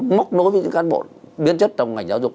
móc nối với các cán bộ biến chất trong ngành giáo dục